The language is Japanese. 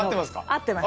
合ってます。